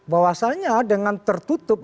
bahwasanya dengan tertutup